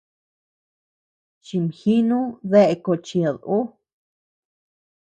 Chimjinu dae kochid ú.